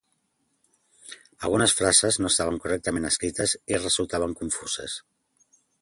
Algunes frases no estaven correctament escrites i resultaven confuses.